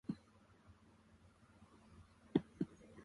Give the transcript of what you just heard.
京都府南丹市